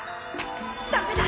ダメだ！